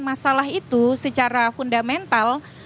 masalah itu secara fundamental